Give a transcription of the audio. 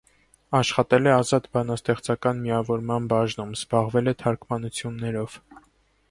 Աշխատել է ազատ բանաստեղծական միավորման բաժնում, զբաղվել է թարգմանություններով։